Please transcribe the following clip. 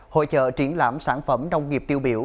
hội trợ triển lãm sản phẩm nông nghiệp tiêu biểu